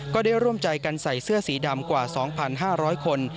ก็ได้ร่วมใจกันใส่เสื้อสีดำกว่า๒๕๐๐คน